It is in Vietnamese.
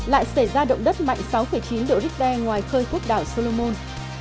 lại xảy ra động đất mạnh sáu chín độ richter ngoài khơi quốc đảo solomon